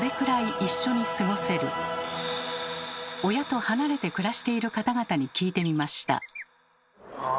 親と離れて暮らしている方々に聞いてみました。